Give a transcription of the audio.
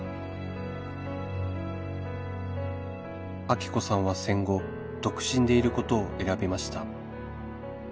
アキ子さんは戦後独身でいることを選びました